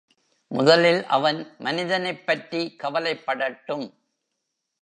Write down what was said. முதலில் அவன் மனிதனைப் பற்றி கவலைப் படட்டும்.